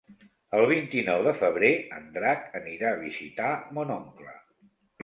El vint-i-nou de febrer en Drac anirà a visitar mon oncle.